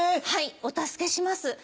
はいお助けします